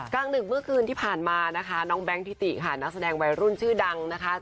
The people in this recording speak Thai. กลางดึกเมื่อคืนที่ผ่านมานะคะน้องแก๊งทิติค่ะนักแสดงวัยรุ่นชื่อดังนะคะ